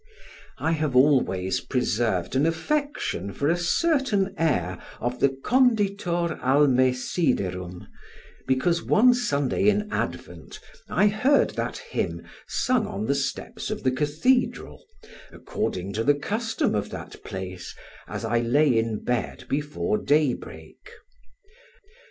I have always preserved an affection for a certain air of the 'Conditor alme Syderum', because one Sunday in Advent I heard that hymn sung on the steps of the cathedral, (according to the custom of that place) as I lay in bed before daybreak.